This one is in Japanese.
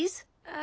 あ。